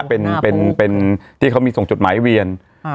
เป็นเป็นที่เขามีส่งจดหมายเวียน